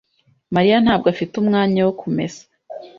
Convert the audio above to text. Mariya ntabwo afite umwanya wo kumesa.